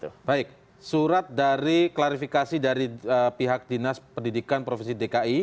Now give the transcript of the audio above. baik surat dari klarifikasi dari pihak dinas pendidikan provinsi dki